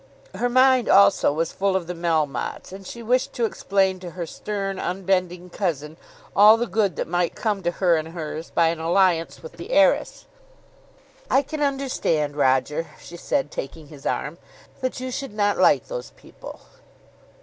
Her mind, also, was full of the Melmottes, and she wished to explain to her stern, unbending cousin all the good that might come to her and hers by an alliance with the heiress. "I can understand, Roger," she said, taking his arm, "that you should not like those people."